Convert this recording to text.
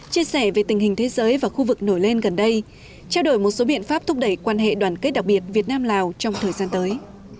chia sẻ về tình hình thế giới và khu vực nổi lên gần đây trao đổi một số biện pháp thúc đẩy quan hệ đoàn kết đặc biệt việt nam lào trong thời gian tới